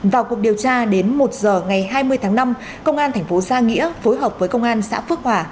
vào cuộc điều tra đến một giờ ngày hai mươi tháng năm công an thành phố gia nghĩa phối hợp với công an xã phước hòa